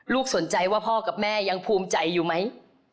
สนใจว่าพ่อกับแม่ยังภูมิใจอยู่ไหม